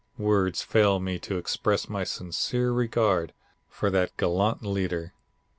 Words fail me to express my sincere regard for that gallant leader.